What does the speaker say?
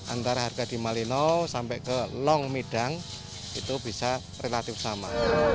antara harga di malino sampai ke long midang itu bisa relatif sama